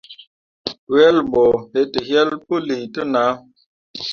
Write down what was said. Wel ɓo yetǝyel puli te nah.